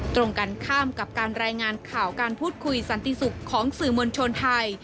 ตรงกันข้ามกับการรายงานข่าวการพูดคุยสันติสุขของสื่อมวลชนไทย